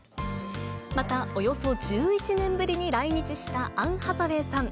また、およそ１１年ぶりに来日したアン・ハサウェイさん。